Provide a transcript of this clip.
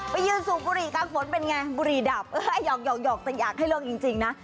ยืนสูบบุหรี่กลางฝนเป็นไงบุหรี่ดับหยอกแต่อยากให้เลิกจริงนะ